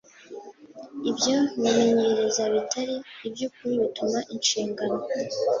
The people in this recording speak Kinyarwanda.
Ibyo bimenyereza bitari ibyukuri bituma inshingano